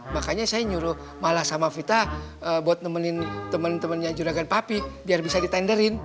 makanya saya nyuruh malah sama vita buat nemenin teman temannya juragan papi biar bisa ditenderin